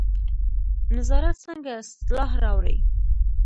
نظارت څنګه اصلاح راوړي؟